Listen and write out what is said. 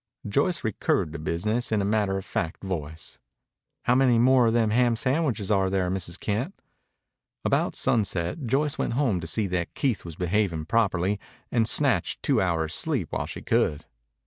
Joyce recurred to business in a matter of fact voice. "How many more of the ham sandwiches are there, Mrs. Kent?" About sunset Joyce went home to see that Keith was behaving properly and snatched two hours' sleep while she could.